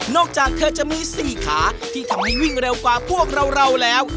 นอกจากเธอจะมีสี่ขาที่ทำนิ่งวิ่งเร็วกว่าพวกเราเราแล้ว